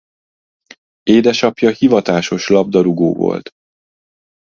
Édesapja hivatásos labdarúgó volt.